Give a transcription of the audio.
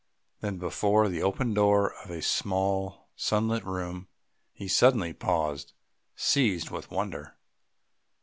Then before the open door of a small sunlit room, he suddenly paused, seized with wonder....